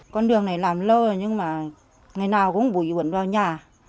con đường này làm lâu rồi nhưng mà ngày nào cũng bụi bẩn vào nhà